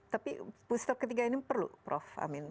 tapi booster ketiga ini perlu prof amin